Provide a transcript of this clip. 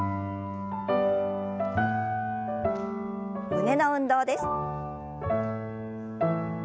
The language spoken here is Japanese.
胸の運動です。